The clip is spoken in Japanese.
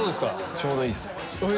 ちょうどいいっす。